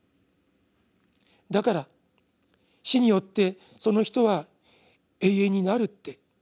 だから死によってその人は永遠になるって。